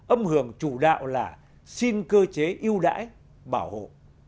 âm hưởng chủ đạo là xin cơ chế yêu đãi bảo hộ